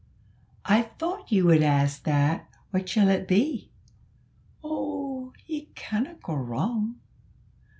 "I thought you would ask that; what shall it be?" "Oo, ye canna go wrang."